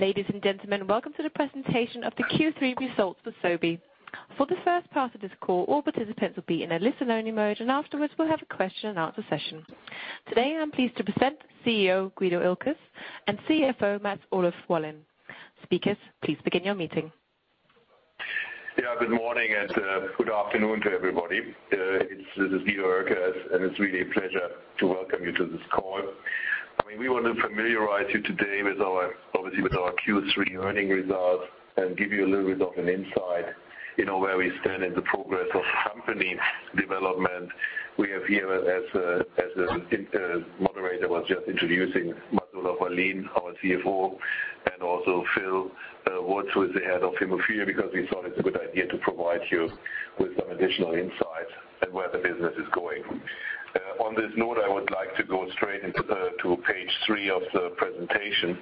Ladies and gentlemen, welcome to the presentation of the Q3 results for Sobi. For the first part of this call, all participants will be in a listen-only mode, and afterwards we will have a question and answer session. Today, I am pleased to present CEO, Guido Oelkers, and CFO, Mats-Olof Wallin. Speakers, please begin your meeting. Good morning and good afternoon to everybody. This is Guido Oelkers, and it is really a pleasure to welcome you to this call. We want to familiarize you today, obviously, with our Q3 earnings results and give you a little bit of an insight where we stand in the progress of company development. We have here, as the moderator was just introducing, Mats-Olof Wallin, our CFO, and also Philip Wood, who is the Head of Haemophilia, because we thought it is a good idea to provide you with some additional insight at where the business is going. On this note, I would like to go straight to page three of the presentation.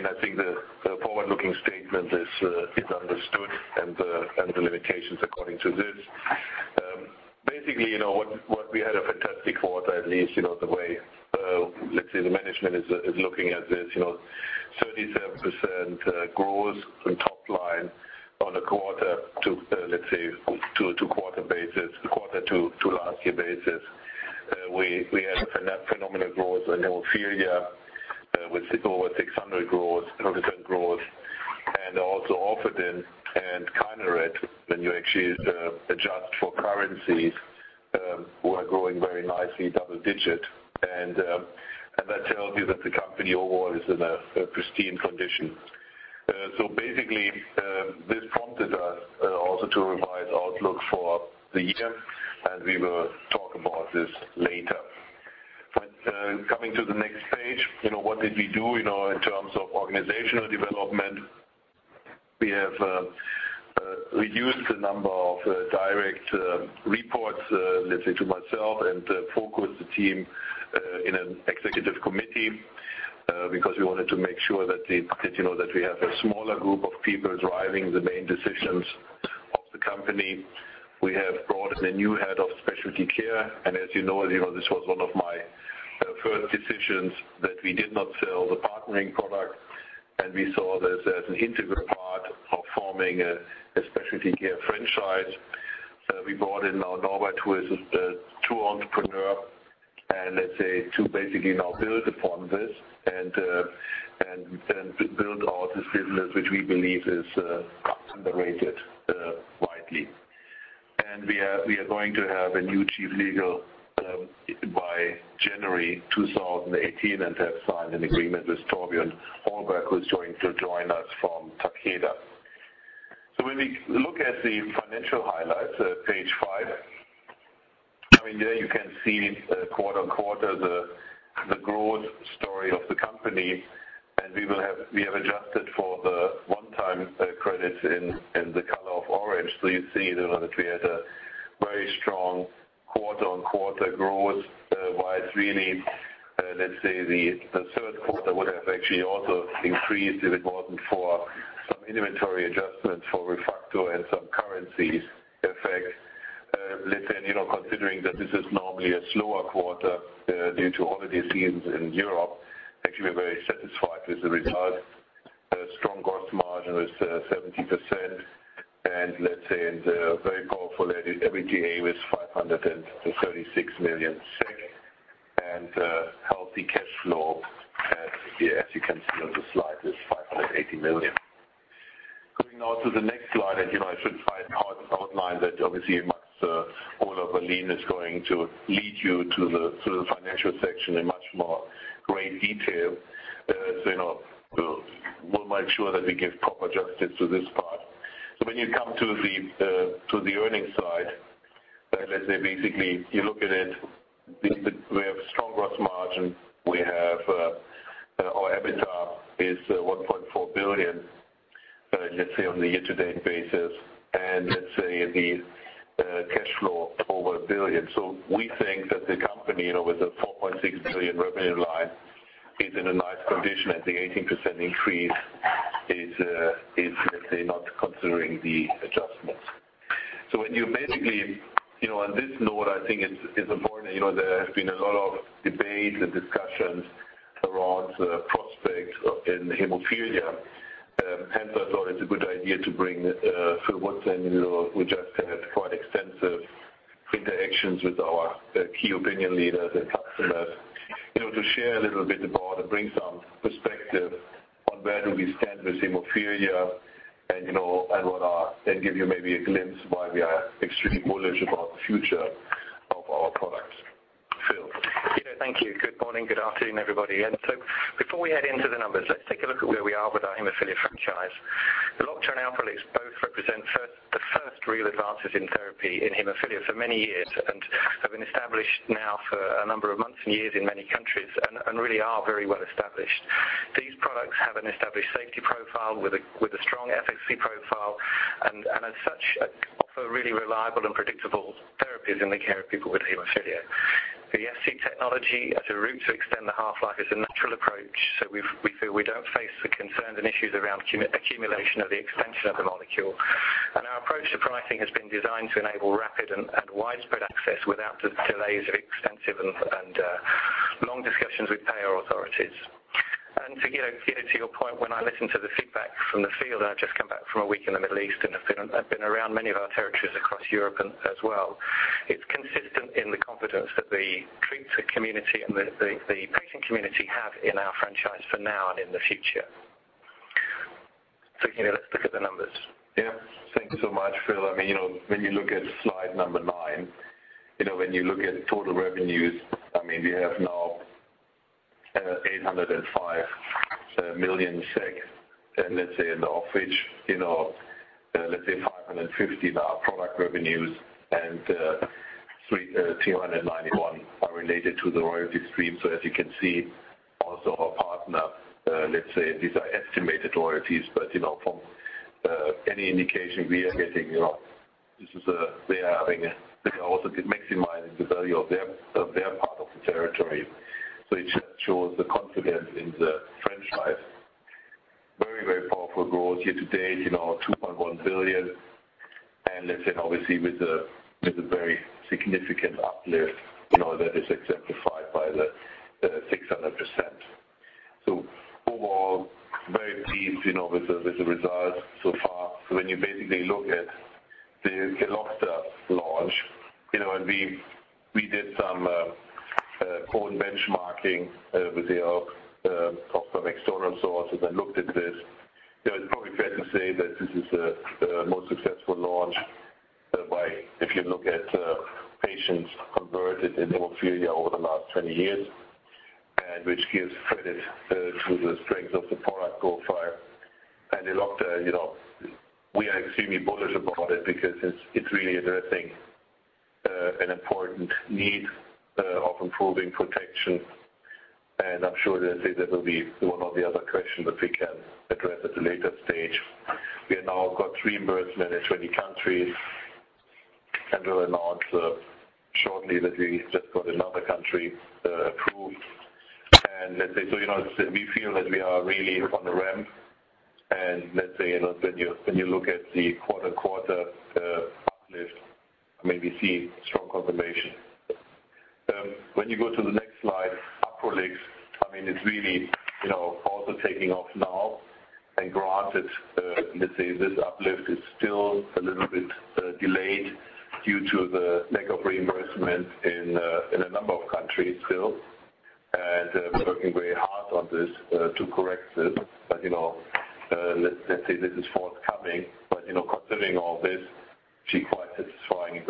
I think the forward-looking statement is understood and the limitations according to this. We had a fantastic quarter, at least the way the management is looking at this. 37% growth from top line on a quarter-to-quarter basis. Quarter to last year basis. We had a phenomenal growth in Haemophilia with over 600% growth. Orfadin and Kineret, when you actually adjust for currencies, were growing very nicely double-digit. That tells you that the company overall is in a pristine condition. This prompted us also to revise outlook for the year, and we will talk about this later. Coming to the next page, what did we do in terms of organizational development? We have reduced the number of direct reports to myself and focused the team in an executive committee because we wanted to make sure that we have a smaller group of people driving the main decisions of the company. We have brought in a new Head of Specialty Care. As you know, this was one of my first decisions that we did not sell the partnering product. We saw this as an integral part of forming a Specialty Care franchise. We brought in now Norbert who is true entrepreneur and to basically now build upon this and build out this business, which we believe is underrated widely. We are going to have a new Chief Legal by January 2018, and have signed an agreement with Torbjörn Hallberg, who is going to join us from Takeda. When we look at the financial highlights page five. There you can see quarter-on-quarter the growth story of the company, and we have adjusted for the one-time credits in the color of orange. You see that we had a very strong quarter-on-quarter growth, while it's really the third quarter would have actually also increased if it wasn't for some inventory adjustments for ReFacto and some currencies effect. Considering that this is normally a slower quarter due to holiday seasons in Europe, actually we're very satisfied with the results. Strong gross margin was 17%. The very powerful EBITDA was 536 million SEK. Healthy cash flow, as you can see on the slide, is 580 million. Going now to the next slide. I should try and outline that obviously Mats-Olof Wallin is going to lead you to the financial section in much more great detail. We'll make sure that we give proper justice to this part. When you come to the earnings side, basically you look at it, we have strong gross margin. Our EBITDA is 1.4 billion, let's say, on the year-to-date basis. The cash flow over 1 billion. We think that the company, with a 4.6 billion revenue line, is in a nice condition. The 18% increase is, let's say, not considering the adjustments. When you basically on this note, I think it's important. There has been a lot of debate and discussions around prospects in hemophilia. Hence, I thought it's a good idea to bring Phil Wood in. We just had quite extensive interactions with our key opinion leaders and customers to share a little bit about and bring some perspective on where do we stand with hemophilia and give you maybe a glimpse why we are extremely bullish about the future of our products. Phil. Thank you. Good morning, good afternoon, everybody. Before we head into the numbers, let's take a look at where we are with our hemophilia franchise. Elocta and Alprolix both represent the first real advances in therapy in hemophilia for many years and have been established now for a number of months and years in many countries and really are very well established. These products have an established safety profile with a strong Fc profile and as such offer really reliable and predictable therapies in the care of people with hemophilia. The Fc technology as a route to extend the half-life is a natural approach that we feel we don't The concerns and issues around accumulation of the extension of the molecule. Our approach to pricing has been designed to enable rapid and widespread access without the delays of extensive and long discussions with payer authorities. To get to your point, when I listen to the feedback from the field, I've just come back from a week in the Middle East. I've been around many of our territories across Europe as well. It's consistent in the confidence that the treatment community and the patient community have in our franchise for now and in the future. Let's look at the numbers. Thank you so much, Phil. When you look at slide number nine, when you look at total revenues, we have now 805 million SEK, and let's say in the off page, let's say 550 are product revenues and 391 are related to the royalty stream. As you can see, also our partner, let's say these are estimated royalties, but from any indication we are getting, they are also maximizing the value of their part of the territory. It shows the confidence in the franchise. Very powerful growth year to date, 2.1 billion. Obviously with a very significant uplift, that is exemplified by the 600%. Overall, very pleased with the results so far. When you basically look at the Elocta launch, we did some own benchmarking with the help of some external sources and looked at this. Granted, let's say this uplift is still a little bit delayed due to the lack of reimbursement in a number of countries still. We're working very hard on this to correct this. Let's say this is forthcoming, but considering all this, actually quite satisfying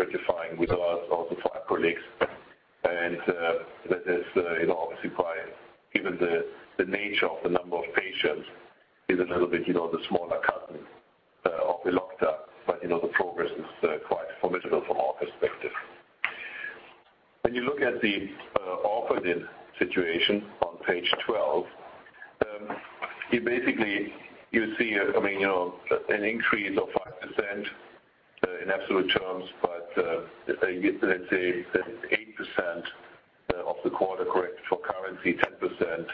Let's say that it's 8% of the quarter corrected for currency, 10%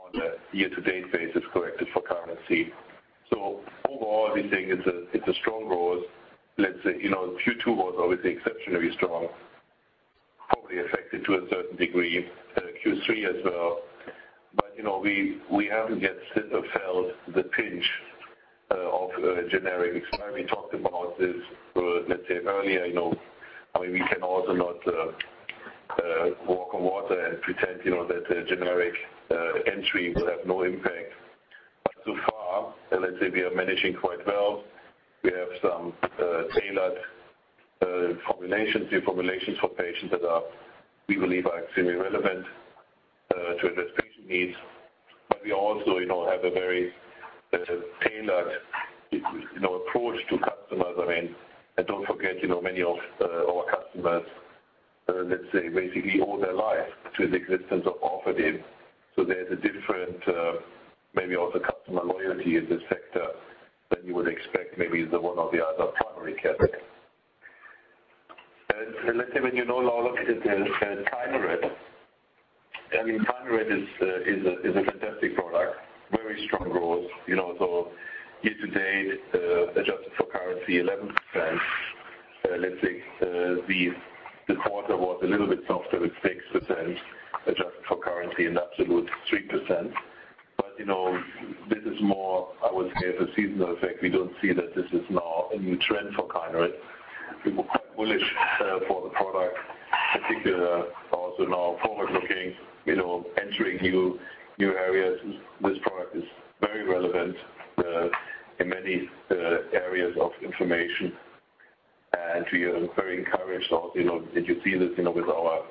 on a year-to-date basis, corrected for currency. Overall, we think it's a strong growth. Let's say, Q2 was obviously exceptionally strong, probably affected to a certain degree, Q3 as well. We haven't yet felt the pinch of generic. It's why we talked about this, let's say earlier. I mean, we can also not walk on water and pretend that a generic entry will have no impact. So far, let's say we are managing quite well. We have some tailored formulations, new formulations for patients that are, we believe, are extremely relevant to address patient needs. We also have a very tailored approach to customers. Don't forget, many of our customers, let's say, basically owe their life to the existence of Orfadin. There's a different maybe also customer loyalty in this sector than you would expect maybe in the one or the other primary care. Let's say when you now look at Kineret. I mean, Kineret is a fantastic product. Very strong growth. Year to date, adjusted for currency, 11%. The quarter was a little bit softer with 6%, adjusted for currency in absolute 3%. This is more, I would say, as a seasonal effect. We don't see that this is now a new trend for Kineret. We were quite bullish for the product, particularly also now forward-looking, entering new areas. This product is very relevant, in many areas of inflammation. We are very encouraged also that you see this with our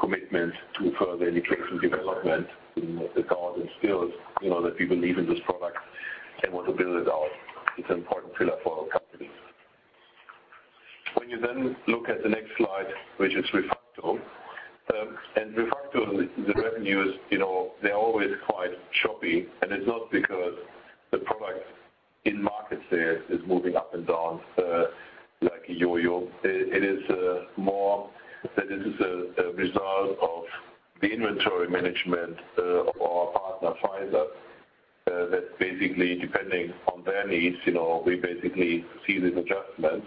commitment to further education development in the GARD and Still's, that we believe in this product and want to build it out. It's an important pillar for our company. When you look at the next slide, which is ReFacto. ReFacto, the revenues, they're always quite choppy, and it's not because in market sales is moving up and down like a yo-yo. It is more that this is a result of the inventory management of our partner, Pfizer, that basically depending on their needs, we basically see these adjustments.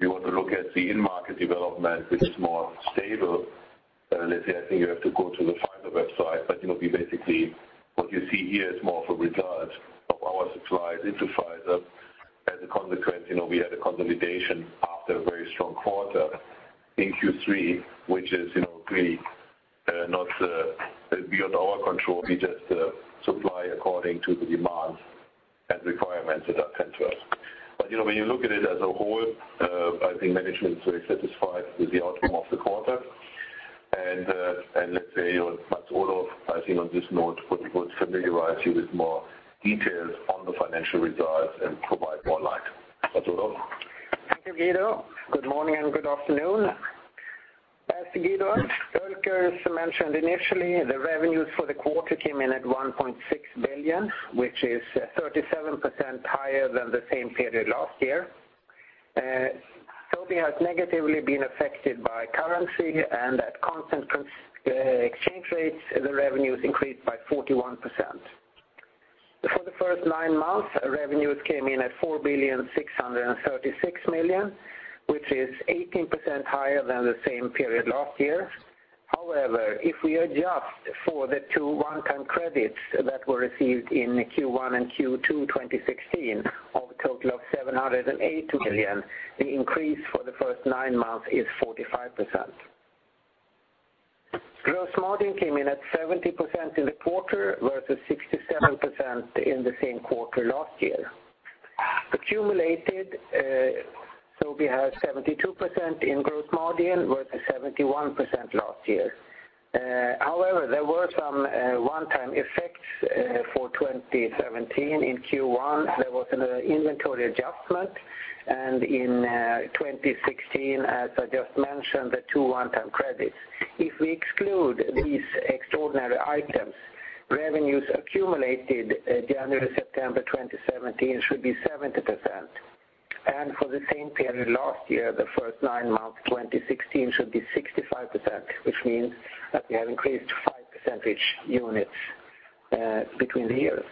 We want to look at the in-market development, which is more stable. Let's say, I think you have to go to the Pfizer website, but basically what you see here is more of a result of our supplies into Pfizer. As a consequence, we had a consolidation after a very strong quarter in Q3, which is clearly beyond our control. We just supply according to the demands and requirements that are sent to us. When you look at it as a whole, I think management is very satisfied with the outcome of the quarter. Let's say, Mats-Olof Wallin, I think on this note, would familiarize you with more details on the financial results and provide more light. Mats-Olof Wallin. Thank you, Guido. Good morning and good afternoon. As Guido Oelkers mentioned initially, the revenues for the quarter came in at 1.6 billion, which is 37% higher than the same period last year. Sobi has negatively been affected by currency and at constant exchange rates, the revenues increased by 41%. For the first nine months, revenues came in at 4,636,000,000, which is 18% higher than the same period last year. If we adjust for the 2 one-time credits that were received in Q1 and Q2 2016 of a total of 780 million, the increase for the first nine months is 45%. Gross margin came in at 70% in the quarter versus 67% in the same quarter last year. Accumulated, Sobi has 72% in gross margin versus 71% last year. There were some one-time effects for 2017. In Q1, there was an inventory adjustment, and in 2016, as I just mentioned, the 2 one-time credits. If we exclude these extraordinary items, revenues accumulated January to September 2017 should be 70%. For the same period last year, the first nine months 2016 should be 65%, which means that we have increased 5 percentage units between the years.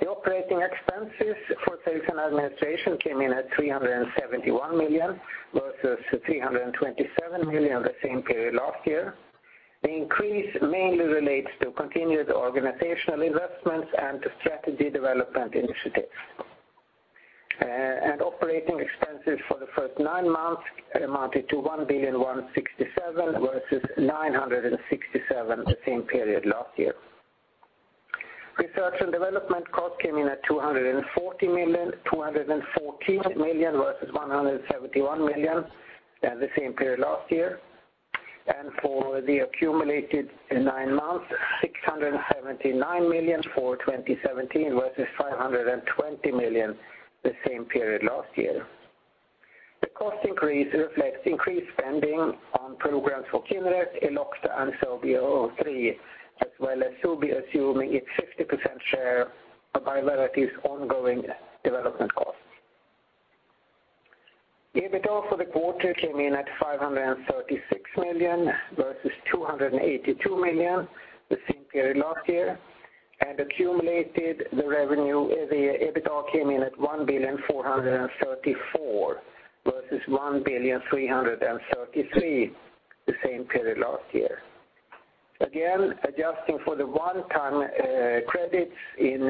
The operating expenses for sales and administration came in at 371 million versus 327 million the same period last year. The increase mainly relates to continued organizational investments and to strategy development initiatives. Operating expenses for the first nine months amounted to 1,167,000,000 versus 967 million the same period last year. R&D cost came in at SEK 214 million versus 171 million the same period last year. For the accumulated nine months, 679 million for 2017 versus 520 million the same period last year. The cost increase reflects increased spending on programs for Kineret, Elocta and SOBI003, as well as Sobi assuming its 50% share of bivalirudin's ongoing development cost. EBITDA for the quarter came in at 536 million versus 282 million the same period last year, and accumulated the revenue, the EBITDA came in at 1,434 million versus 1,333 million the same period last year. Again, adjusting for the one-time credits in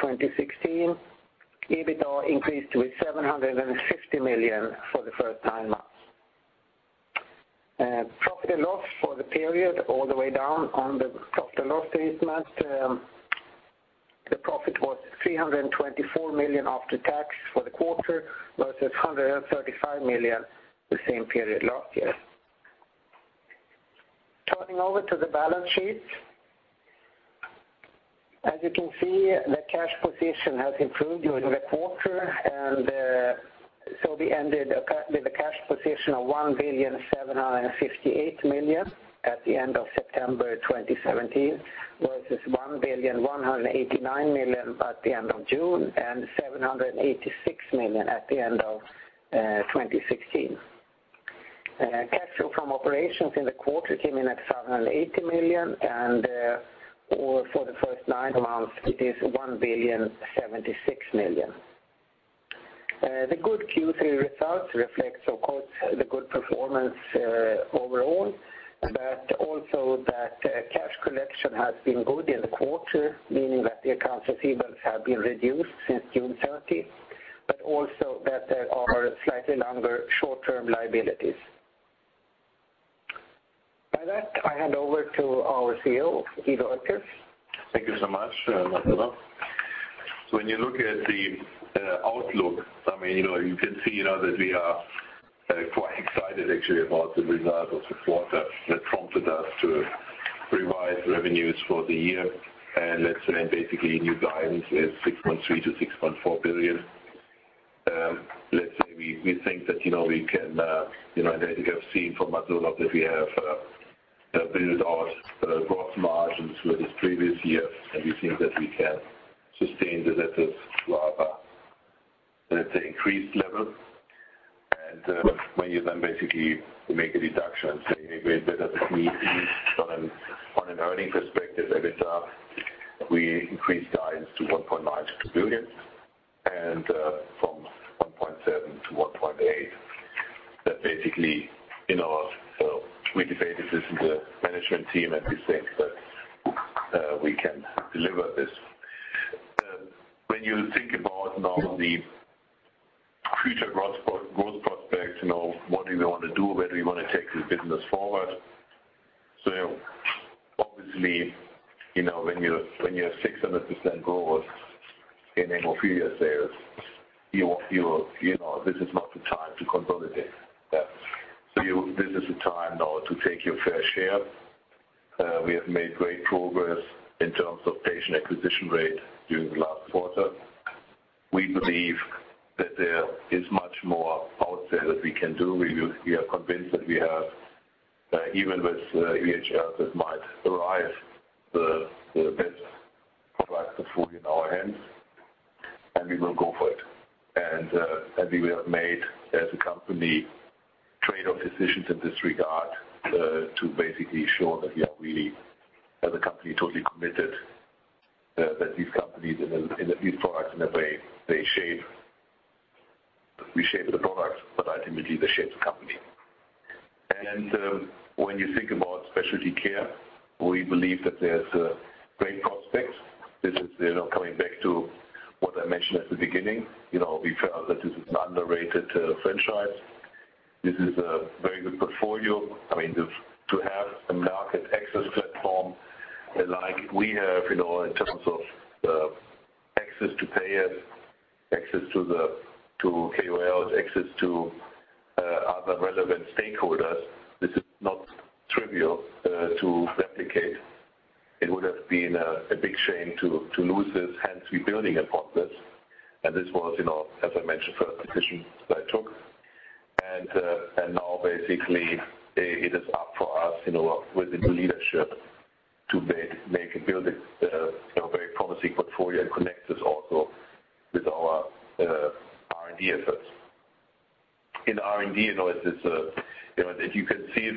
2016, EBITDA increased with 750 million for the first nine months. Profit and loss for the period all the way down on the profit and loss statement. The profit was 324 million after tax for the quarter versus 135 million the same period last year. Turning over to the balance sheet. As you can see, the cash position has improved during the quarter and Sobi ended with a cash position of 1,758 million at the end of September 2017 versus 1,189 million at the end of June and 786 million at the end of 2016. Cash flow from operations in the quarter came in at 780 million, and for the first nine months, it is 1,076 million. The good Q3 results reflects, of course, the good performance overall, but also that cash collection has been good in the quarter, meaning that the accounts receivables have been reduced since June 30, but also that there are slightly longer short-term liabilities. By that, I hand over to our CEO, Guido Oelkers. Thank you so much, Mats-Olof Wallin. When you look at the outlook, you can see that we are quite excited actually about the results of the quarter that prompted us to revise revenues for the year. Basically new guidance is 6.3 billion-6.4 billion. We think that we can, as you have seen from our results, that we have built out gross margins for this previous year, and we think that we can sustain the letters to other, at the increased level. When you then basically make a deduction, say maybe a bit of me, on an earning perspective, EBITDA, we increased guidance to 1.9 billion-2 billion and from 1.7 billion-1.8 billion. We debated this in the management team, and we said that we can deliver this. When you think about now the future growth prospects, what do we want to do? Where do we want to take this business forward? Obviously, when you have 600% growth in hemophilia sales, this is not the time to consolidate. This is the time now to take your fair share. We have made great progress in terms of patient acquisition rate during the last quarter. We believe that there is much more out there that we can do. We are convinced that we have, even with EHL, that might arise the best product portfolio in our hands, and we will go for it. We have made, as a company, trade-off decisions in this regard, to basically show that we are really, as a company, totally committed. That these companies and these products, in a way, we shape the product, but ultimately, they shape the company. When you think about specialty care, we believe that there's great prospects. This is coming back to what I mentioned at the beginning. We felt that this is an underrated franchise. This is a very good portfolio. To have a market access platform like we have in terms of access to payers, access to KOLs, access to other relevant stakeholders, this is not trivial to replicate. It would have been a big shame to lose this, hence rebuilding upon this. This was, as I mentioned, a decision that I took. Now basically, it is up for us within the leadership to make and build a very promising portfolio and connect this also with our R&D efforts. In R&D, as you can see,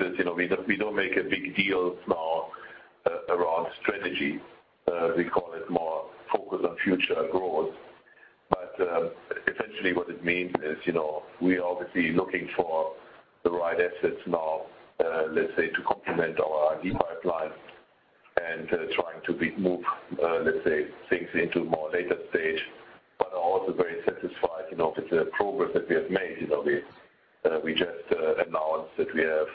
we don't make a big deal now around strategy. We call it more focus on future growth. Essentially what it means is we are obviously looking for the right assets now to complement our R&D pipeline and trying to move things into more later stage, but are also very satisfied with the progress that we have made. We just announced that we have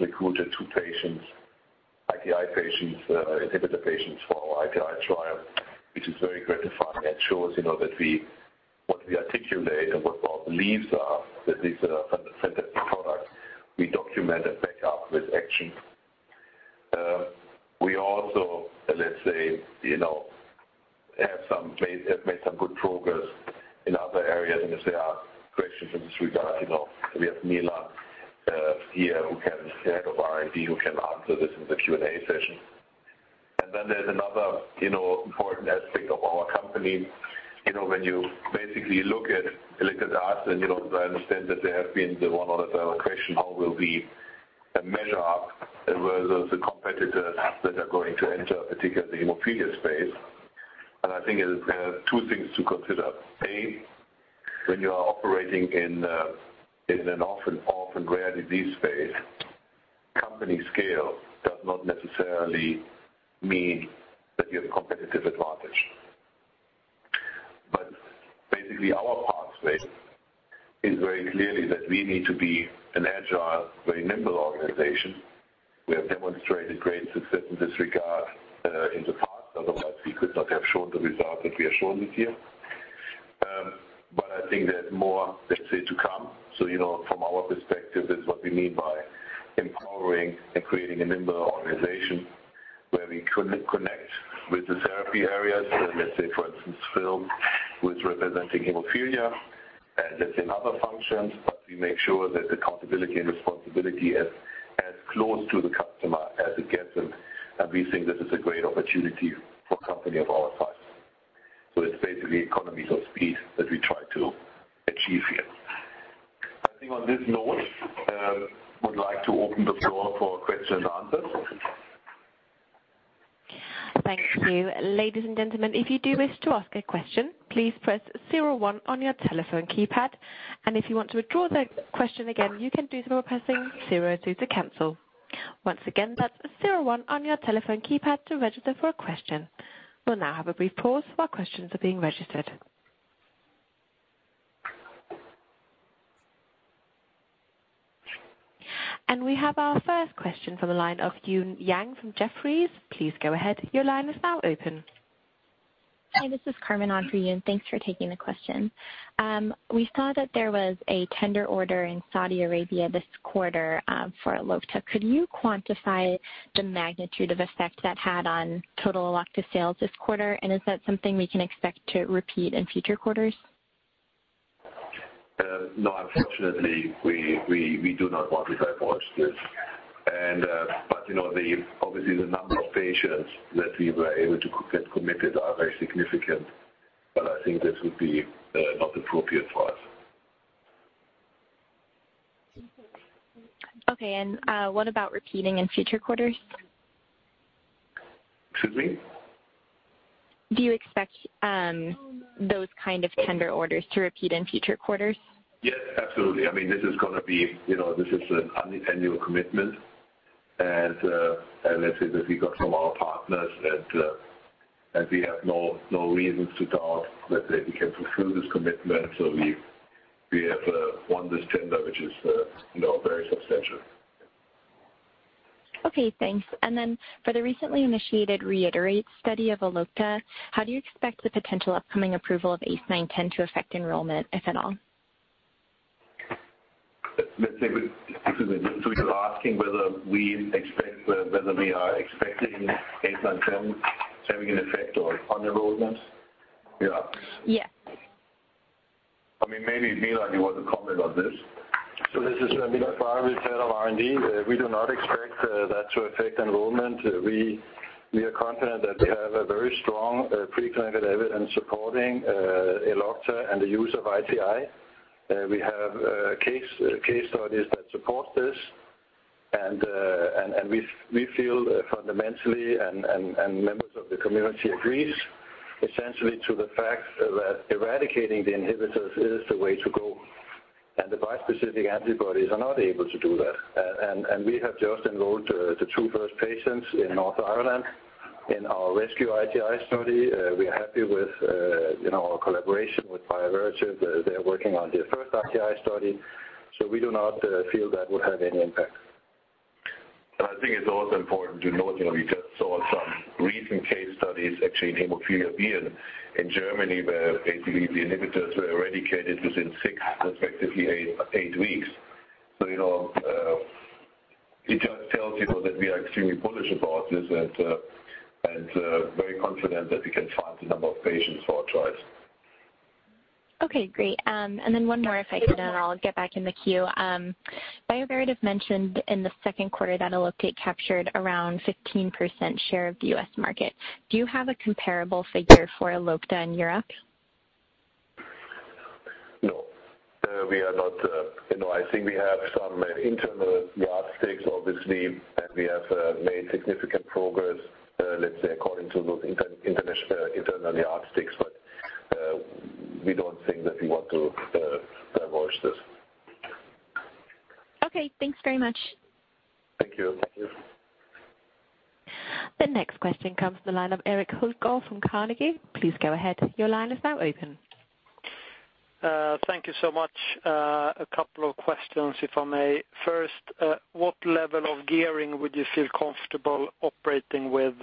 recruited two patients, ITI patients, inhibitor patients for our ITI trial, which is very gratifying and shows that what we articulate and what our beliefs are, that these are center products we document and back up with action. We also have made some good progress in other areas. If there are questions in this regard, we have Milan here, Head of R&D, who can answer this in the Q&A session. Then there's another important aspect of our company. When you basically look at Elocta, I understand that there have been the one or the other question, how will we measure up versus the competitors that are going to enter, particularly the hemophilia space. I think there are two things to consider. A, when you are operating in an often rare disease space, company scale does not necessarily mean that you have competitive advantage. Basically, our pathway is very clearly that we need to be an agile, very nimble organization. We have demonstrated great success in this regard in the past. Otherwise, we could not have shown the results that we are showing this year. I think there's more to come. From our perspective, this is what we mean by empowering and creating a nimble organization where we connect with the therapy areas and, for instance, Phil with representing hemophilia, as it's in other functions, but we make sure that accountability and responsibility as close to the customer as it gets. We think this is a great opportunity for a company of our size. It's basically economies of speed that we try to achieve here. I think on this note, would like to open the floor for questions and answers. Thank you. Ladies and gentlemen, if you do wish to ask a question, please press 01 on your telephone keypad. If you want to withdraw that question again, you can do so by pressing 02 to cancel. Once again, that's 01 on your telephone keypad to register for a question. We'll now have a brief pause while questions are being registered. We have our first question from the line of Eun from Jefferies. Please go ahead. Your line is now open. Hi, this is Carmen after Eun. Thanks for taking the question. We saw that there was a tender order in Saudi Arabia this quarter for Elocta. Could you quantify the magnitude of effect that had on total Elocta sales this quarter? Is that something we can expect to repeat in future quarters? No, unfortunately, we do not want to divulge this. Obviously the number of patients that we were able to get committed are very significant, but I think this would be not appropriate for us. Okay. What about repeating in future quarters? Excuse me? Do you expect those kind of tender orders to repeat in future quarters? Yes, absolutely. This is an annual commitment, let's say that we got from our partners, we have no reasons to doubt that they can fulfill this commitment. We have won this tender, which is very substantial. Okay, thanks. Then for the recently initiated ReITIrate study of Elocta, how do you expect the potential upcoming approval of ACE910 to affect enrollment, if at all? Excuse me. You're asking whether we are expecting ACE910 to have an effect on enrollment? Yes. Maybe Milan, you want to comment on this? This is Milan Zdravkovic, Head of R&D. We do not expect that to affect enrollment. We are confident that we have a very strong preclinical evidence supporting Elocta and the use of ITI. We have case studies that support this, and we feel fundamentally, and members of the community agrees, essentially to the fact that eradicating the inhibitors is the way to go. The bispecific antibodies are not able to do that. We have just enrolled the two first patients in Northern Ireland in our rescue ITI study. We are happy with our collaboration with Bioverativ. They're working on their first ITI study. We do not feel that will have any impact. I think it's also important to note, we just saw some recent case studies actually in hemophilia B in Germany, where basically the inhibitors were eradicated within six, respectively eight weeks. It just tells you that we are extremely bullish about this and very confident that we can find the number of patients for our trials. Okay, great. Then one more, if I can, and I'll get back in the queue. Bioverativ mentioned in the second quarter that Elocta captured around 15% share of the U.S. market. Do you have a comparable figure for Elocta in Europe? No. I think we have some internal yardsticks, obviously, and we have made significant progress, let's say, according to those internally yardsticks, but we don't think that we want to divulge this. Okay, thanks very much. Thank you. Thank you. The next question comes from the line of Erik Hultgård from Carnegie. Please go ahead. Your line is now open. Thank you so much. A couple of questions, if I may. First, what level of gearing would you feel comfortable operating with?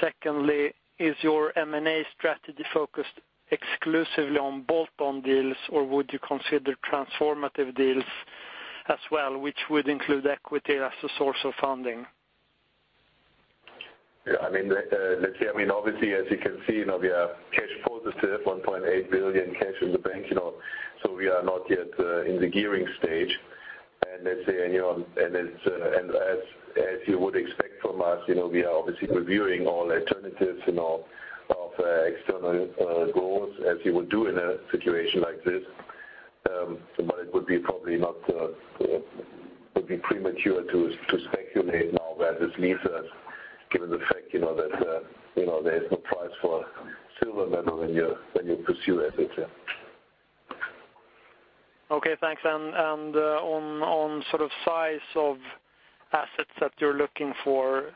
Secondly, is your M&A strategy focused exclusively on bolt-on deals, or would you consider transformative deals as well, which would include equity as a source of funding? Let's say, obviously, as you can see, we are cash positive, 1.8 billion cash in the bank. We are not yet in the gearing stage. As you would expect from us, we are obviously reviewing all alternatives of external growth as you would do in a situation like this. It would be probably premature to speculate now, where this leads us, given the fact that there is no price for silver medal when you pursue M&A. Okay, thanks. On size of assets that you're looking for,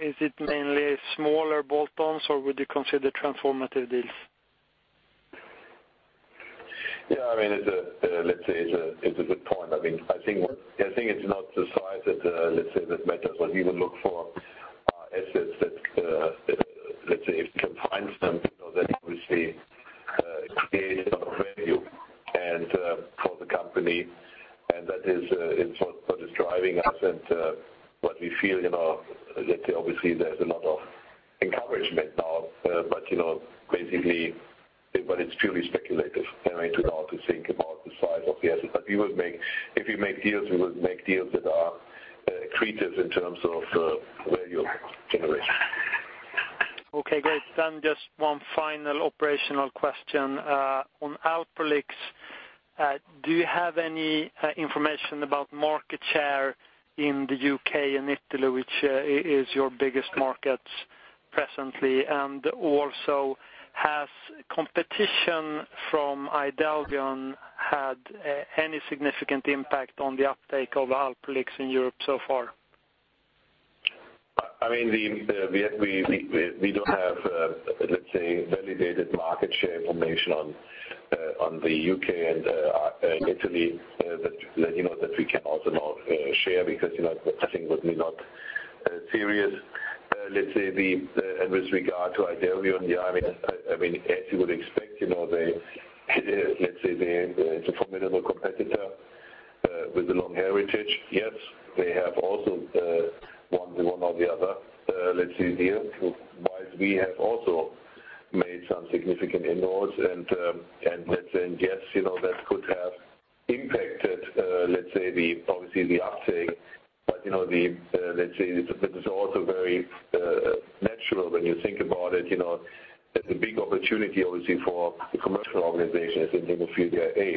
is it mainly smaller bolt-ons, or would you consider transformative deals? It's a good point. I think it's not the size that matters, but we would look for assets that, let's say, if combined somehow, that obviously create a lot of value for the company and that is what is driving us and what we feel, let's say, obviously, there's a lot of encouragement now. It's purely speculative, to now to think about the size of the assets. If we make deals, we will make deals that are accretive in terms of value generation. Okay, great. Just one final operational question. On Alprolix, do you have any information about market share in the U.K. and Italy, which is your biggest markets presently? Also, has competition from IDELVION had any significant impact on the uptake of Alprolix in Europe so far? We don't have, let's say, validated market share information on the U.K. and Italy that we can also now share because I think it would be not serious. Let's say with regard to IDELVION, as you would expect, let's say they're a formidable competitor With the long heritage, yes. They have also one or the other, let's say, deal. Whilst we have also made some significant inroads and let's say, yes, that could have impacted let's say, obviously the uptake. It is also very natural when you think about it, the big opportunity obviously for the commercial organization is in haemophilia A.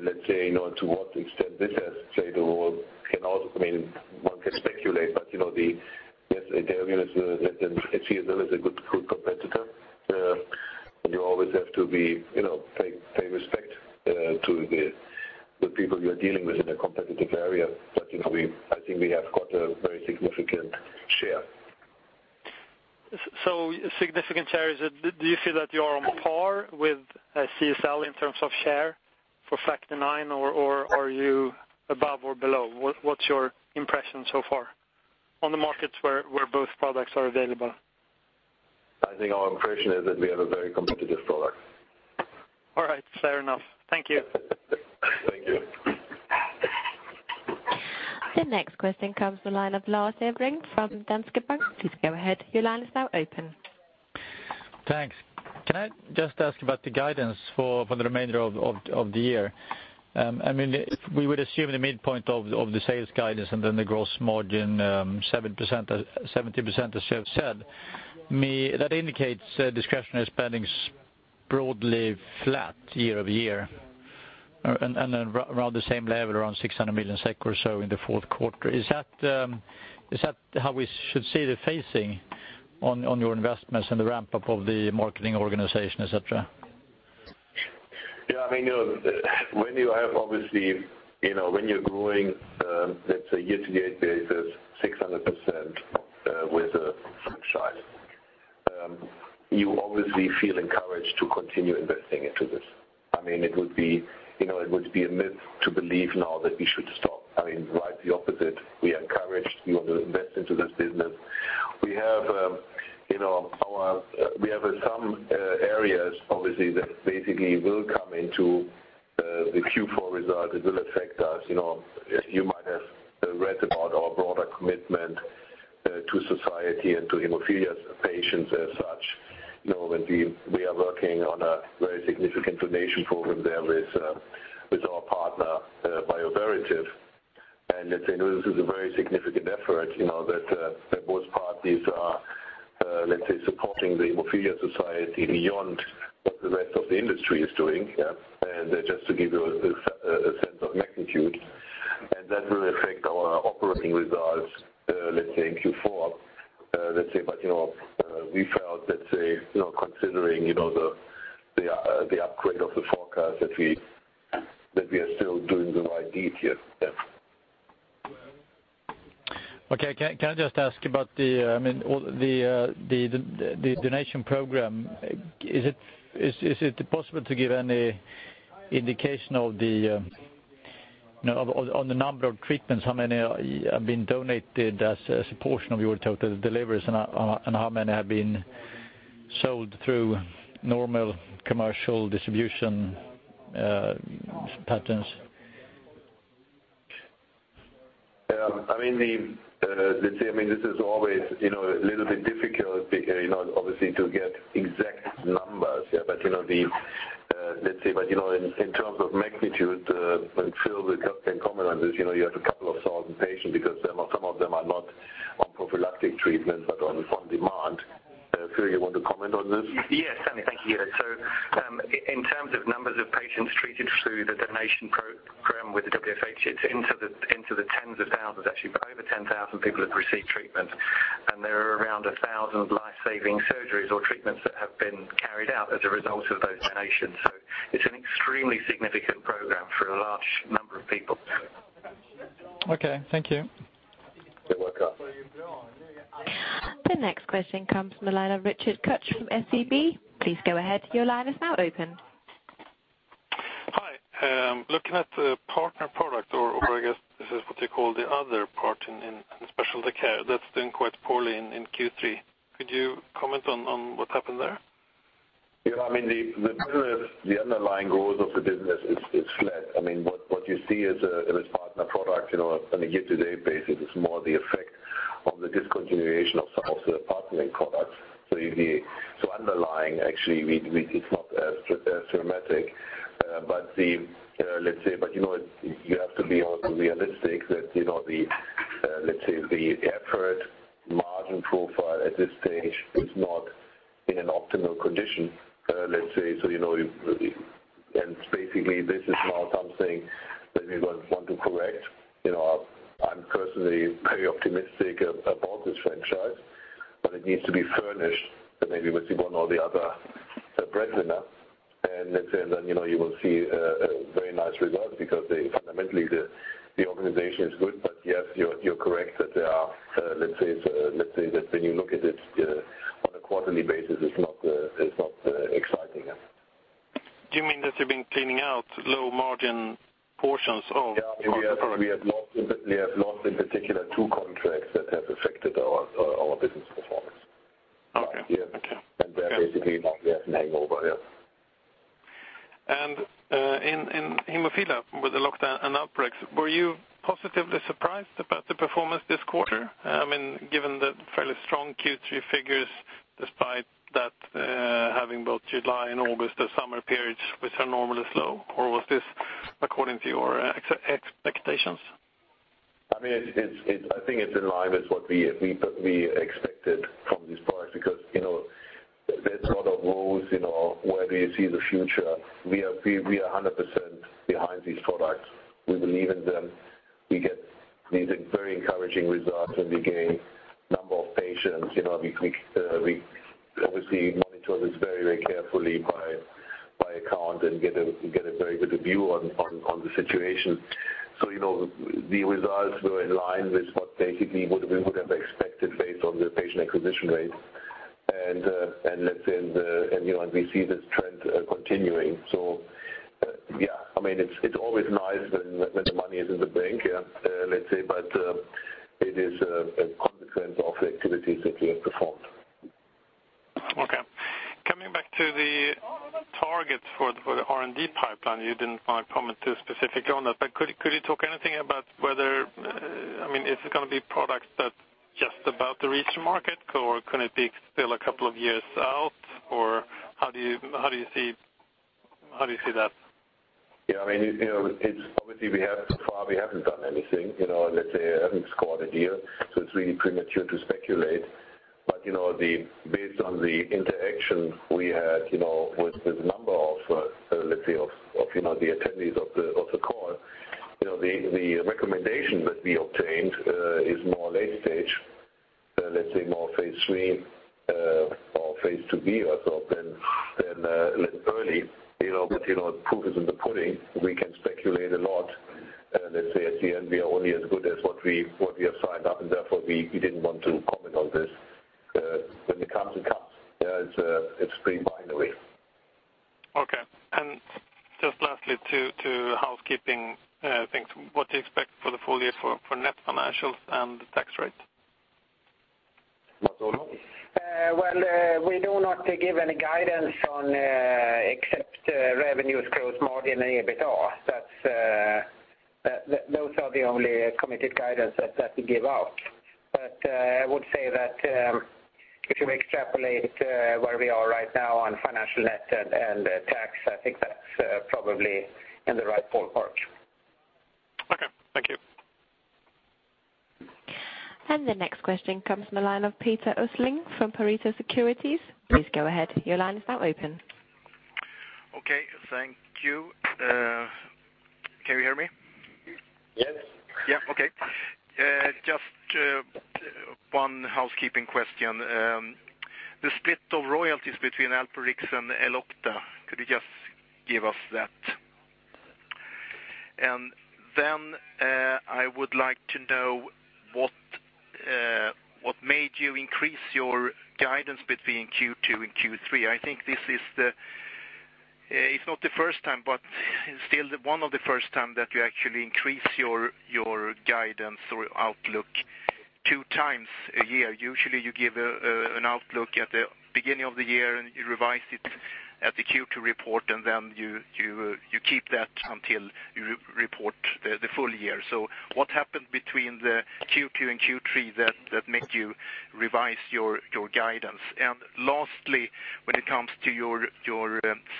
Let's say, towards the extent this has played a role, one can speculate, but yes, there is CSL is a good competitor. You always have to pay respect to the people you're dealing with in a competitive area. I think we have got a very significant share. Significant share, do you feel that you are on par with CSL in terms of share for factor 9? Are you above or below? What's your impression so far on the markets where both products are available? I think our impression is that we have a very competitive product. All right. Fair enough. Thank you. Thank you. The next question comes from the line of Lars Eriksen from Danske Bank. Please go ahead. Your line is now open. Thanks. Can I just ask about the guidance for the remainder of the year? If we would assume the midpoint of the sales guidance and then the gross margin 70% as you have said, that indicates discretionary spending's broadly flat year-over-year and then around the same level, around 600 million SEK or so in the fourth quarter. Is that how we should see the phasing on your investments and the ramp-up of the marketing organization, et cetera? Yeah. Obviously, when you're growing, let's say year-to-date basis, 600% with a franchise. You obviously feel encouraged to continue investing into this. It would be a myth to believe now that we should stop. Quite the opposite. We are encouraged. We want to invest into this business. We have some areas obviously that basically will come into the Q4 result. It will affect us. You might have read about our broader commitment to society and to haemophilia patients as such. We are working on a very significant donation program there with our partner, Bioverativ. Let's say this is a very significant effort, that both parties are let's say, supporting the haemophilia society beyond what the rest of the industry is doing. Just to give you a sense of magnitude, and that will affect our operating results, let's say in Q4. We felt let's say, considering the upgrade of the forecast that we are still doing the right deed here, yes. Can I just ask about the donation program? Is it possible to give any indication on the number of treatments, how many have been donated as a portion of your total deliveries, and how many have been sold through normal commercial distribution patterns? Let's say, this is always a little bit difficult, obviously to get exact numbers. In terms of magnitude, and Phil can comment on this, you have a couple of thousand patients because some of them are not on prophylactic treatment, but on demand. Phil, you want to comment on this? In terms of numbers of patients treated through the donation program with the WFH, it's into the tens of thousands actually. Over 10,000 people have received treatment, and there are around 1,000 life-saving surgeries or treatments that have been carried out as a result of those donations. It's an extremely significant program for a large number of people. Okay. Thank you. You're welcome. The next question comes from the line of Richard Koch from SEB. Please go ahead. Your line is now open. Hi. Looking at partner product, or I guess this is what you call the other part in Specialty Care that's doing quite poorly in Q3. Could you comment on what happened there? Yeah. The underlying growth of the business is flat. What you see is a partner product, on a year-to-date basis is more the effect of the discontinuation of some of the partnering products. Underlying, actually, it's not as dramatic. You have to be also realistic that the EBITDA margin profile at this stage is not in an optimal condition. Basically, this is now something that we want to correct. I'm personally very optimistic about this franchise, but it needs to be furnished maybe with one or the other brethren. Let's say, then you will see a very nice result because fundamentally the organization is good. Yes, you're correct that there are, let's say that when you look at it on a quarterly basis, it's not exciting. Do you mean that you've been cleaning out low-margin portions of partner products? Yeah. We have lost in particular two contracts that have affected our business performance. Yeah. That basically is not yet hangover. In Haemophilia with the lockdown and outbreaks, were you positively surprised about the performance this quarter? Given the fairly strong Q3 figures despite that having both July and August, the summer periods, which are normally slow? Or was this according to your expectations? I think it's in line with what we expected from these products because there's a lot of roles, where do you see the future? We are 100% behind these products. We believe in them. We get these very encouraging results, and we gain number of patients. We obviously monitor this very carefully by account and get a very good view on the situation. The results were in line with what basically we would have expected based on the patient acquisition rates. Let's say, we see this trend continuing. Yeah, it's always nice when the money is in the bank, let's say, but it is a consequence of the activities that we have performed. Okay. Coming back to the targets for the R&D pipeline. You didn't want to comment too specifically on that, but could you talk anything about whether, is it going to be products that just about to reach the market, or could it be still a couple of years out, or how do you see that? Yeah. Obviously so far we haven't done anything, let's say, we haven't scored a deal, so it's really premature to speculate. Based on the interaction we had with the number of, let's say, of the attendees of the call, the recommendation that we obtained is more late stage, let's say more phase III or phase II-B or so than early. Proof is in the pudding. We can speculate a lot. Let's say at the end, we are only as good as what we have signed up, and therefore, we didn't want to comment on this. When it comes, it comes. It's pretty binary. Okay. Just lastly, to housekeeping things, what do you expect for the full year for net financials and the tax rate? Mats-Olof? Well, we do not give any guidance on except revenues growth margin and EBITDA. Those are the only committed guidance that we give out. I would say that if you extrapolate where we are right now on financial net and tax, I think that's probably in the right ballpark. Okay, thank you. The next question comes from the line of Peter Östling from Pareto Securities. Please go ahead. Your line is now open. Okay, thank you. Can you hear me? Yes. Yeah, okay. Just one housekeeping question. The split of royalties between Alprolix and Elocta, could you just give us that? I would like to know what made you increase your guidance between Q2 and Q3? I think this is the, if not the first time, but still one of the first time that you actually increase your guidance or outlook two times a year. Usually, you give an outlook at the beginning of the year, and you revise it at the Q2 report, and then you keep that until you report the full year. What happened between the Q2 and Q3 that make you revise your guidance? Lastly, when it comes to your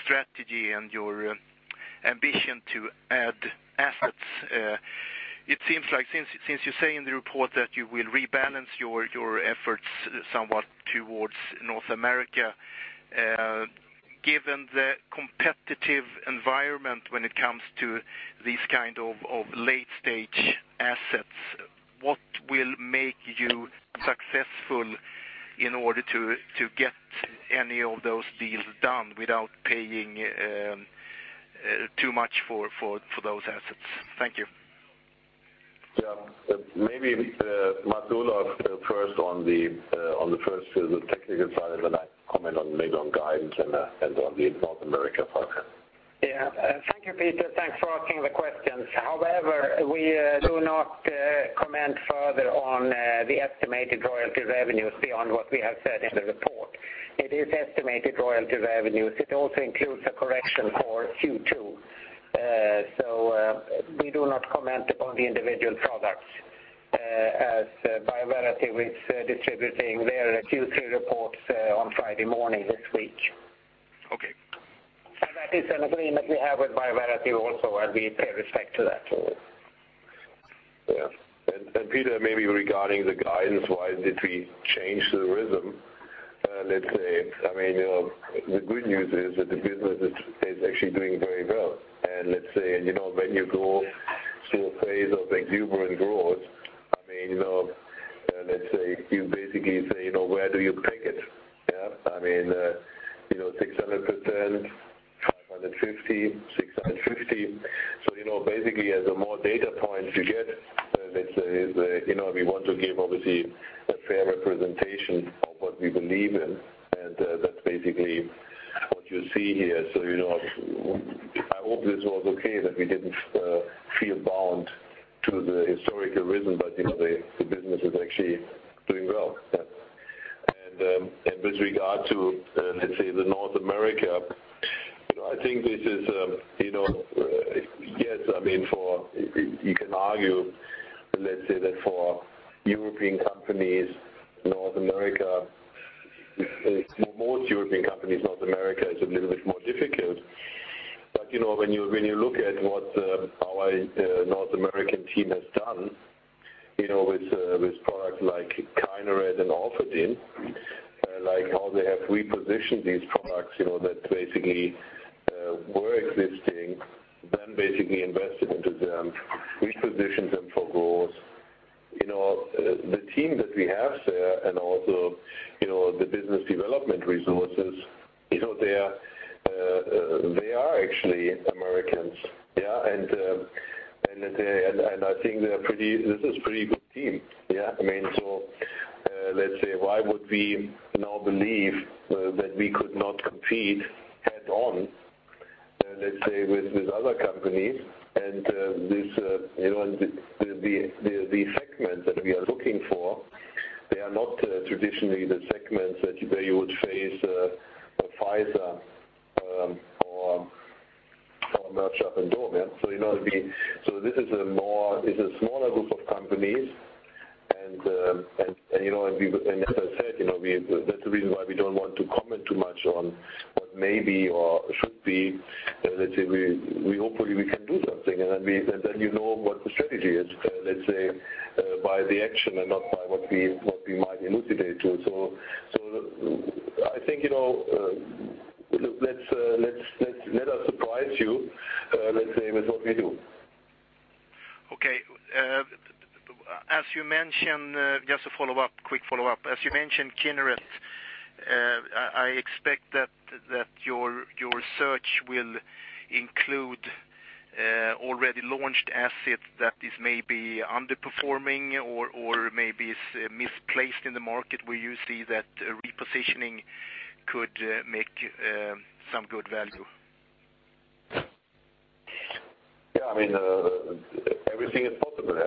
strategy and your ambition to add assets, it seems like since you say in the report that you will rebalance your efforts somewhat towards North America, given the competitive environment when it comes to these kind of late-stage assets, what will make you successful in order to get any of those deals done without paying too much for those assets? Thank you. Yeah. Maybe Mats-Olof first on the first technical side, and then I comment maybe on guidance and on the North America part. Yeah. Thank you, Peter. Thanks for asking the questions. However, we do not comment further on the estimated royalty revenues beyond what we have said in the report. It is estimated royalty revenues. It also includes a correction for Q2. We do not comment on the individual products as Bioverativ is distributing their Q3 reports on Friday morning this week. Okay. That is an agreement we have with Bioverativ also, and we pay respect to that. Yeah. Peter, maybe regarding the guidance, why did we change the rhythm? Let's say, the good news is that the business is actually doing very well, and let's say, when you go through a phase of exuberant growth, let's say you basically say, where do you peg it? Yeah. 600%, 550%, 650%. Basically as the more data points you get, let's say, we want to give obviously a fair representation of what we believe in, and that's basically what you see here. I hope this was okay that we didn't feel bound to the historical rhythm, but the business is actually doing well. With regard to, let's say the North America, I think this is. Yes, you can argue, let's say that for European companies, North America, for most European companies, North America is a little bit more difficult. When you look at what our North American team has done, with products like Kineret and Orfadin, how they have repositioned these products that basically were existing, basically invested into them, repositioned them for growth. The team that we have there, and also the business development resources, they are actually Americans. Yeah. I think this is pretty good team. Yeah. Let's say why would we now believe that we could not compete head on, let's say, with other companies and the segments that we are looking for, they are not traditionally the segments that you would face Pfizer or Merck Sharp & Dohme. This is a smaller group of companies and, as I said, that's the reason why we don't want to comment too much on what may be or should be. Let's say we hopefully can do something, then you know what the strategy is. Let's say, by the action and not by what we might elucidate to. I think, let us surprise you, let's say, with what we do. Okay. Just a follow-up, quick follow-up. As you mentioned, Kineret, I expect that your search will include already launched assets that is maybe underperforming or maybe is misplaced in the market where you see that repositioning could make some good value. Yeah, everything is possible.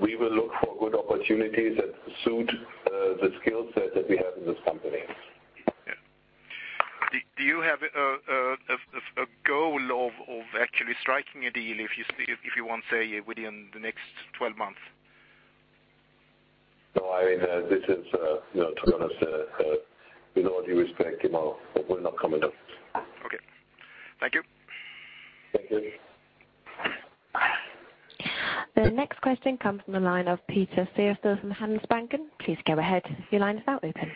We will look for good opportunities that suit the skill set that we have in this company. Yeah. Do you have a goal of actually striking a deal if you want, say, within the next 12 months? No, to be honest, with all due respect, we are not commenting on this. Okay. Thank you. Thank you. The next question comes from the line of Peter Fyrstøyl from Handelsbanken. Please go ahead. Your line is now open.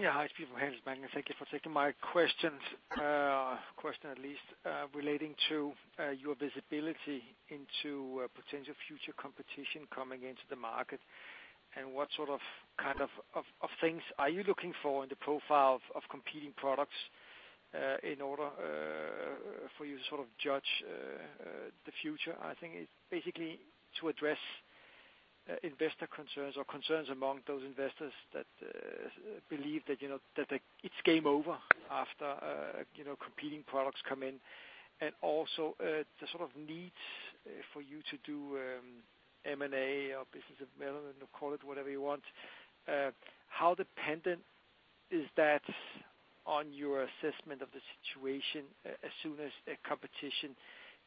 Yeah. Hi, it's Peter from Handelsbanken. Thank you for taking my question, at least. Relating to your visibility into potential future competition coming into the market, and what sort of things are you looking for in the profile of competing products, in order for you to sort of judge the future? I think it's basically to address investor concerns or concerns among those investors that believe that it's game over after competing products come in and also the sort of needs for you to do M&A or business development or call it whatever you want. How dependent is that on your assessment of the situation as soon as a competition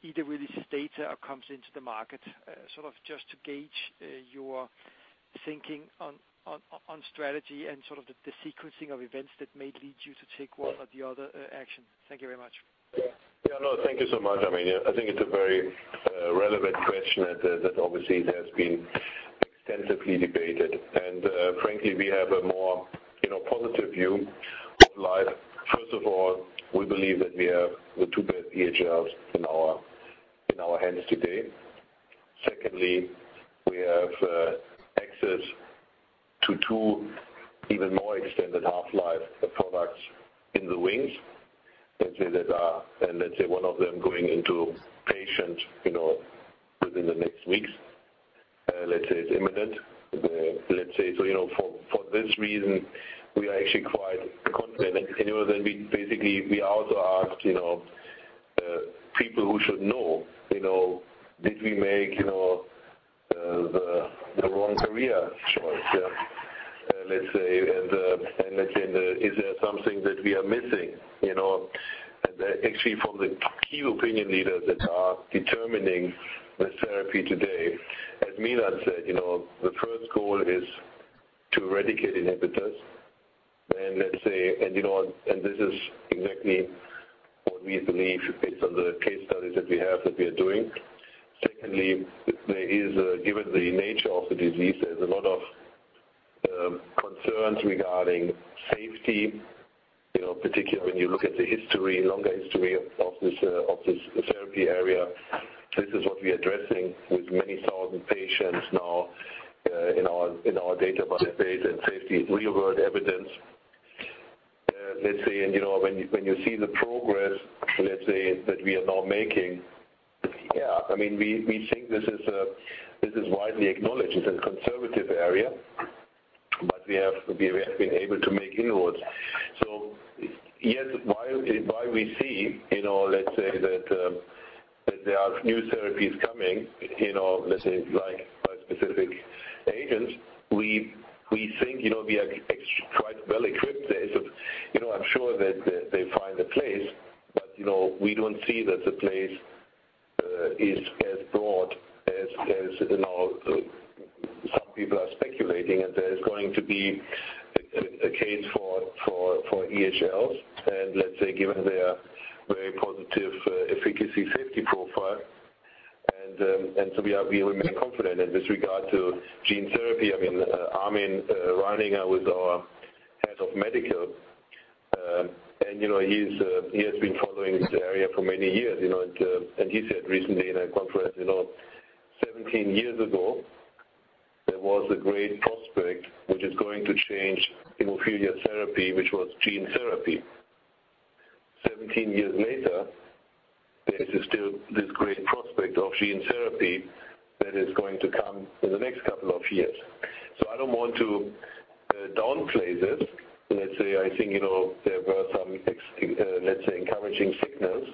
either releases data or comes into the market? Sort of just to gauge your thinking on strategy and sort of the sequencing of events that may lead you to take one or the other action. Thank you very much. Yeah. No, thank you so much. I think it's a very relevant question that obviously it has been extensively debated. Frankly, we have a more positive view of life. First of all, we believe that we have the two best EHLs in our hands today. Secondly, we have access to two even more extended half-life products in the wings. Let's say that are, one of them going into patients within the next weeks. Let's say it's imminent. For this reason, we are actually quite confident. Basically we also asked people who should know, did we make the wrong career choice? Yeah. Let's say, is there something that we are missing? Actually from the KOLs that are determining the therapy today, as Milan said, the first goal is to eradicate inhibitors. This is exactly what we believe based on the case studies that we have that we are doing. Secondly, given the nature of the disease, there's a lot of concerns regarding safety, particularly when you look at the longer history of this therapy area. This is what we are addressing with many thousand patients now in our database and safety real world evidence. Let's say, when you see the progress that we are now making. Yeah. We think this is widely acknowledged. It's a conservative area, but we have been able to make inroads. Yes, while we see, let's say that there are new therapies coming, let's say like bispecific agents, we think we are quite well-equipped there. I'm sure that they find a place, but we don't see that the place is as broad as some people are speculating. There is going to be a case for EHLs, let's say, given their very positive efficacy-safety profile. We remain confident in this regard to gene therapy. Armin Reininger was our Head of Medical, and he has been following the area for many years. He said recently in a conference, 17 years ago, there was a great prospect which is going to change hemophilia therapy, which was gene therapy. 17 years later, there is still this great prospect of gene therapy that is going to come in the next couple of years. I don't want to downplay this. Let's say, I think, there were some, let's say, encouraging signals,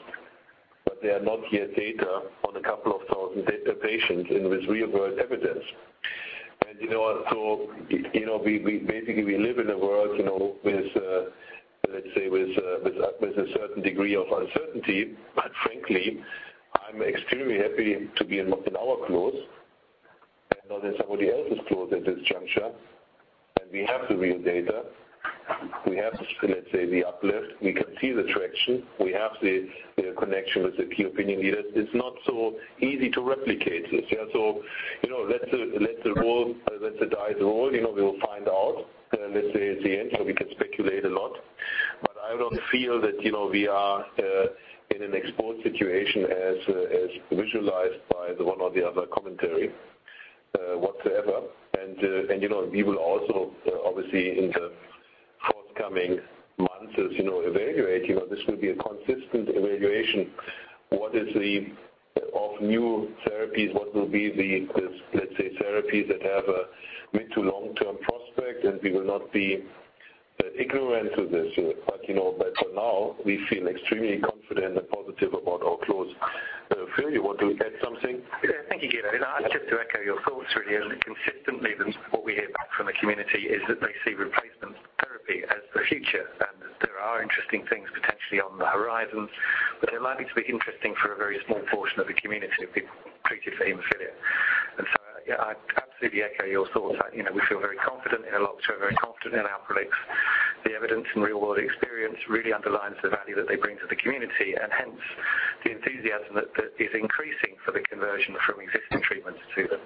but they are not yet data on a couple of thousand patients and with real-world evidence. Basically we live in a world with, let's say, with a certain degree of uncertainty. Frankly, I'm extremely happy to be in our clothes and not in somebody else's clothes at this juncture. We have the real data, we have, let's say, the uplift. We can see the traction. We have the connection with the KOLs. It's not so easy to replicate this. Yeah, let the dice roll, we will find out, let's say, at the end. We can speculate a lot, but I don't feel that we are in an exposed situation as visualized by the one or the other commentary, whatsoever. We will also, obviously, in the forthcoming months, as you know, evaluate. This will be a consistent evaluation of new therapies, what will be the, let's say, therapies that have a mid- to long-term prospect, and we will not be ignorant to this. For now, we feel extremely confident and positive about our products. Phil, you want to add something? Yeah, thank you, Guido. I'd just to echo your thoughts really. Consistently what we hear back from the community is that they see replacement therapy as the future. There are interesting things potentially on the horizon, but they're likely to be interesting for a very small portion of the community of people treated for hemophilia. Yeah, I absolutely echo your thoughts that we feel very confident in Elocta, we're very confident in our products. The evidence and real-world experience really underlines the value that they bring to the community, and hence, the enthusiasm that is increasing for the conversion from existing treatments to them.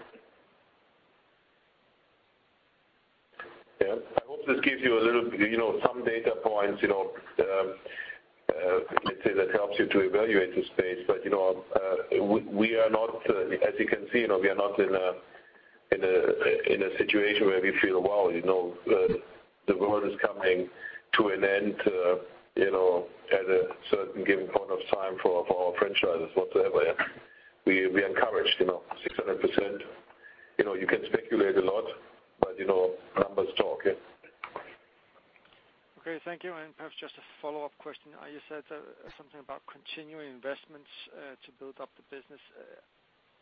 Yeah. I hope this gives you some data points, let's say, that helps you to evaluate the space. As you can see, we are not in a situation where we feel, wow, the world is coming to an end at a certain given point of time for our franchises whatsoever, yeah. We encourage 600%. You can speculate a lot, numbers talk, yeah. Okay, thank you. Perhaps just a follow-up question. You said something about continuing investments to build up the business.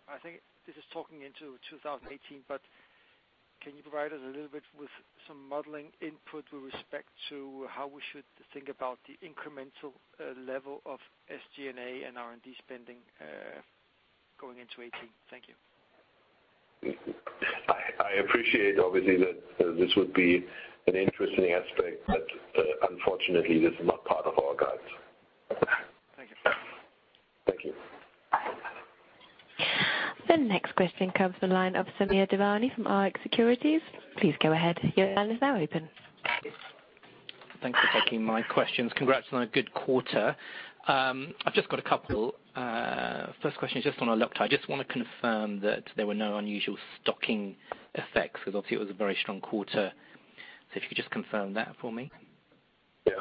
I think this is talking into 2018, but can you provide us a little bit with some modeling input with respect to how we should think about the incremental level of SG&A and R&D spending, going into 2018? Thank you. I appreciate obviously that this would be an interesting aspect, but unfortunately, this is not part of our guides. Thank you. Thank you. The next question comes from the line of Samir Devani from Rx Securities. Please go ahead. Your line is now open. Thanks for taking my questions. Congrats on a good quarter. I've just got a couple. First question is just on Elocta. I just want to confirm that there were no unusual stocking effects, because obviously it was a very strong quarter. If you could just confirm that for me. Yeah.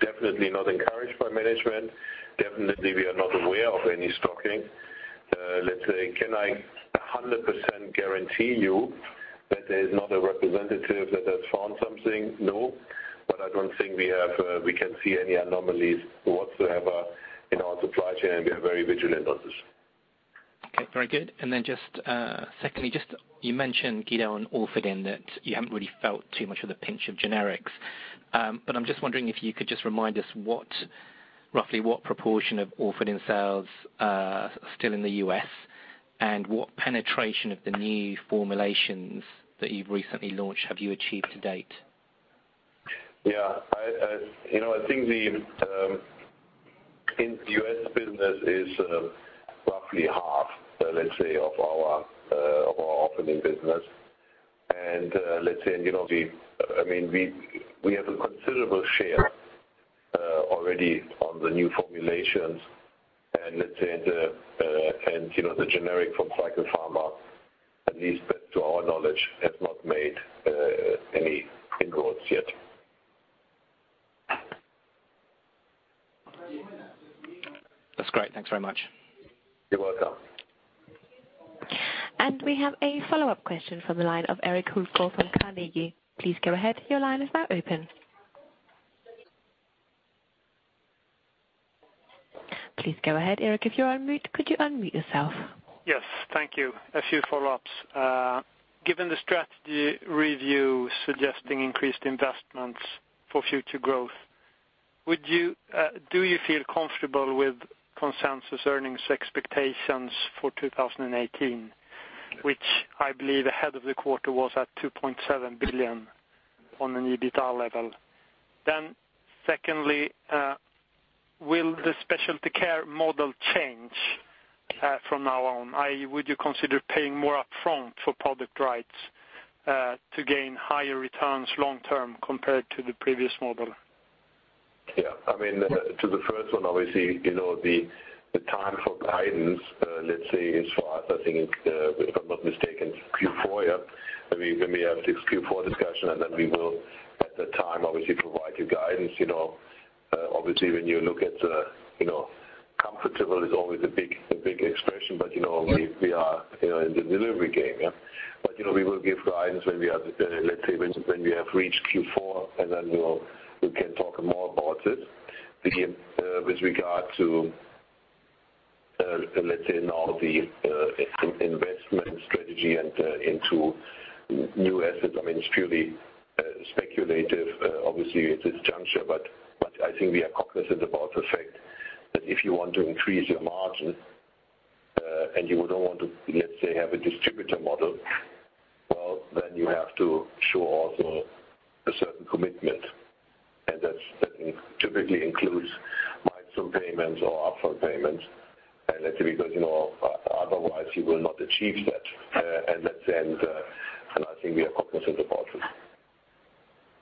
Definitely not encouraged by management. Definitely we are not aware of any stocking. Let's say, can I 100% guarantee you that there's not a representative that has found something? No. I don't think we can see any anomalies whatsoever in our supply chain, and we are very vigilant on this. Okay, very good. Just secondly, just you mentioned, Guido, on Orfadin that you haven't really felt too much of the pinch of generics. I'm just wondering if you could just remind us roughly what proportion of Orfadin sales are still in the U.S. and what penetration of the new formulations that you've recently launched have you achieved to date? Yeah. I think the U.S. business is roughly half, let's say, of our Orfadin business. Let's say, we have a considerable share already on the new formulations. Let's say, the generic from Cycle Pharmaceuticals, at least to our knowledge, has not That's great. Thanks very much. You're welcome. We have a follow-up question from the line of Erik Hultgård from Carnegie. Please go ahead. Your line is now open. Please go ahead, Erik. If you're on mute, could you unmute yourself? Yes. Thank you. A few follow-ups. Given the strategy review suggesting increased investments for future growth, do you feel comfortable with consensus earnings expectations for 2018? Which I believe ahead of the quarter was at 2.7 billion on an EBITDA level. Secondly, will the Specialty Care model change from now on? Would you consider paying more upfront for product rights to gain higher returns long-term compared to the previous model? Yeah. To the first one, obviously, the time for guidance, let's say, is for, I think, if I'm not mistaken, Q4. Then we will at that time obviously provide you guidance. Obviously, when you look at comfortable is always a big expression, but we are in the delivery game. We will give guidance when we have reached Q4, and then we can talk more about it. With regard to, let's say now the investment strategy and into new assets, it's purely speculative, obviously, at this juncture. I think we are cognizant about the fact that if you want to increase your margin, and you don't want to, let's say, have a distributor model, well, then you have to show also a certain commitment. That typically includes milestone payments or upfront payments and let's say because otherwise you will not achieve that. I think we are cognizant about it.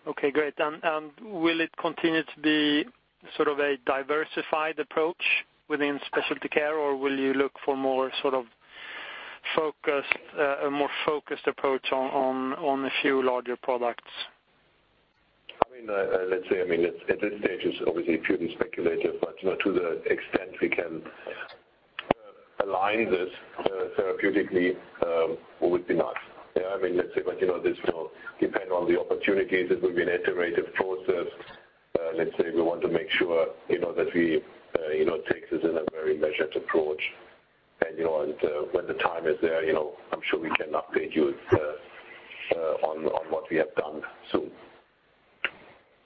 Okay, great. Will it continue to be sort of a diversified approach within specialty care, or will you look for a more focused approach on a few larger products? At this stage, it's obviously purely speculative, but to the extent we can align this therapeutically, we would be nice. This will depend on the opportunities. It will be an iterative process. Let's say we want to make sure that we take this in a very measured approach. When the time is there, I'm sure we can update you on what we have done soon.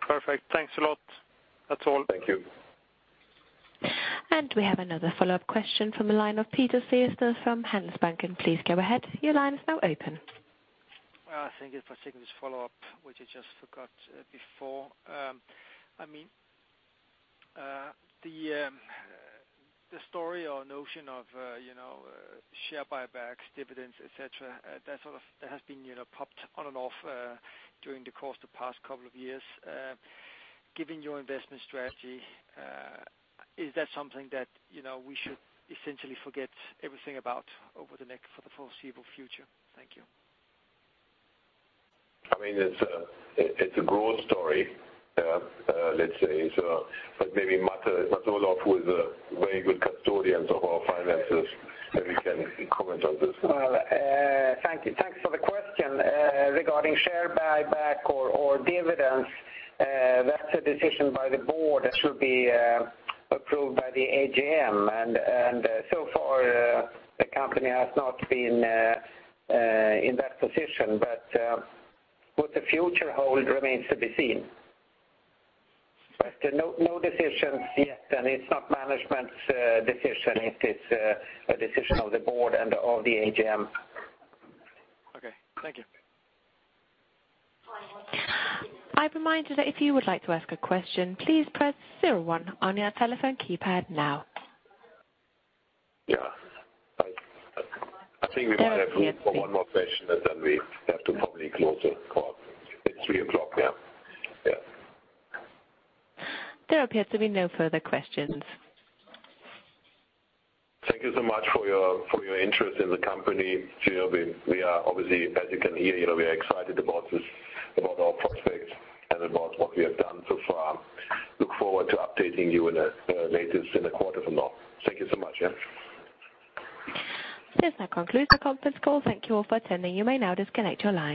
Perfect. Thanks a lot. That's all. Thank you. We have another follow-up question from the line of Peter Fyrstøyl from Handelsbanken. Please go ahead. Your line is now open. Thank you. If I take this follow-up, which I just forgot before. The story or notion of share buybacks, dividends, et cetera, that has been popped on and off during the course of the past couple of years. Given your investment strategy, is that something that we should essentially forget everything about over the next foreseeable future? Thank you. It's a broad story. Let's say. Maybe Mats-Olof Wallin who is a very good custodian of our finances, maybe can comment on this. Well, thanks for the question. Regarding share buyback or dividends, that's a decision by the board that should be approved by the AGM. So far, the company has not been in that position. What the future hold remains to be seen. No decisions yet, and it's not management's decision, it is a decision of the board and of the AGM. Okay. Thank you. I remind you that if you would like to ask a question, please press 01 on your telephone keypad now. Yeah. I think we might have room for one more question, and then we have to probably close the call. It is 3:00 now. Yeah. There appear to be no further questions. Thank you so much for your interest in the company. We are obviously, as you can hear, we are excited about this, about our prospects, and about what we have done so far. Look forward to updating you in the latest in a quarter from now. Thank you so much. Yeah. This now concludes the conference call. Thank you all for attending. You may now disconnect your lines.